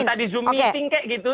tadi zoom meeting kayak gitu